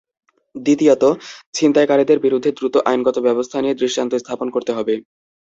দ্বিতীয়ত, ছিনতাইকারীদের বিরুদ্ধে দ্রুত আইনগত ব্যবস্থা নিয়ে দৃষ্টান্ত স্থাপন করতে হবে।